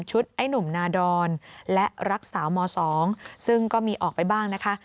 ไอ้หนุ่มนาดอนและรักษาม๒ซึ่งก็มีออกไปบ้างนะคะ